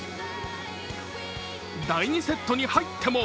第２セットに入っても